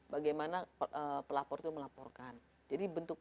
bagaimana pelapor itu melaporkan